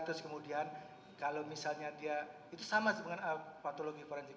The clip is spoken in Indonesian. terus kemudian kalau misalnya dia itu sama sebenarnya patologi forensik